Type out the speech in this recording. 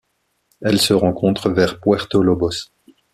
Elle se rencontre vers Puerto Lobos.